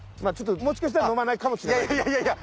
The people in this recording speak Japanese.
あちょっともしかしたら飲まないかもしれない。